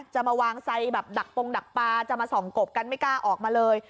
จะมาวางไซดแบบดักปงดักปลาจะมาส่องกบกันไม่กล้าออกมาเลย